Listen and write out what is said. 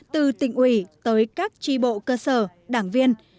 từ tỉnh ủy tới các tri bộ cơ sở đảng viên